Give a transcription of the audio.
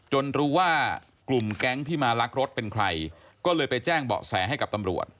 รู้ว่ากลุ่มแก๊งที่มาลักรถเป็นใครก็เลยไปแจ้งเบาะแสให้กับตำรวจ